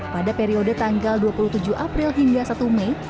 pada periode tanggal dua puluh tujuh april hingga satu mei